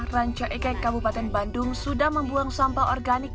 rancai kek kabupaten bandung sudah membuang sampah organik